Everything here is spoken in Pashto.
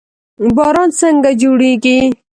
باران څنګه جوړیږي؟